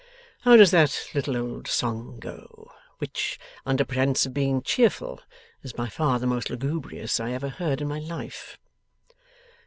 How does that little old song go, which, under pretence of being cheerful, is by far the most lugubrious I ever heard in my life?